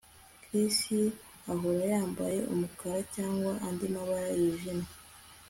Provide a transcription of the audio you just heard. Chris ahora yambara umukara cyangwa andi mabara yijimye